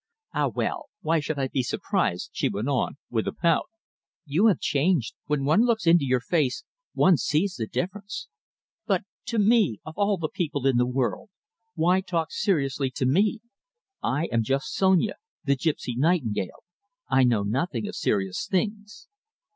Ah, well, why should I be surprised?" she went on, with a pout. "You have changed. When one looks into your face, one sees the difference. But to me, of all people in the world! Why talk seriously to me! I am just Sonia, the gipsy nightingale. I know nothing of serious things."